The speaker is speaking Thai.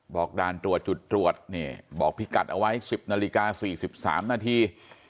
บอกด่านตรวจจุดตรวจนี่บอกพี่กัดเอาไว้สิบนาฬิกาสี่สิบสามนาที